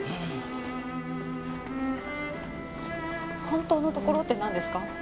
本当のところってなんですか？